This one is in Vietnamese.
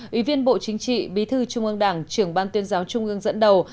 ủy viên bộ chính trị bí thư trung ương đảng trưởng ban tuyên giáo trung ương dẫn đầu